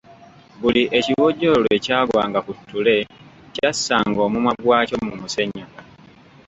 Buli ekiwojjolo lwe kyagwanga ku ttule, kyassanga omumwa gwakyo mu musenyu.